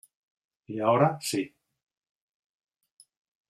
Y ahora sí.